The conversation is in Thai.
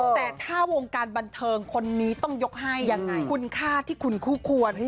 แต่ถ้าวงการบันเทิงคนนี้ต้องยกให้คุณค่าที่คุณคู่ควร